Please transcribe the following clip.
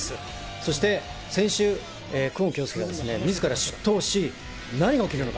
そして先週、久遠京介が自ら出頭し、何が起きるのか。